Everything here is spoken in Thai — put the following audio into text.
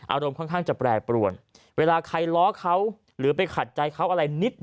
อารมณ์ค่อนข้างจะแปรปรวนเวลาใครล้อเขาหรือไปขัดใจเขาอะไรนิด